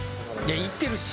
行ってるし。